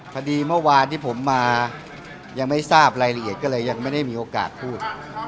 พอดีเมื่อวานที่ผมมายังไม่ทราบรายละเอียดก็เลยยังไม่ได้มีโอกาสพูด